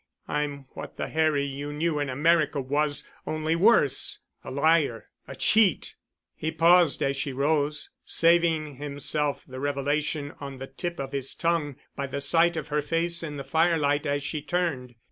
I'm what the Harry you knew in America was, only worse—a liar, a cheat——" He paused as she rose, saving himself the revelation on the tip of his tongue by the sight of her face in the firelight as she turned.